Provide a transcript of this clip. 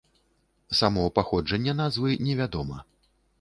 Само паходжанне назвы не вядома.